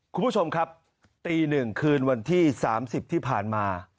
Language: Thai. คุณผู้ชมครับตีหนึ่งคืนวันที่สามสิบที่ผ่านมา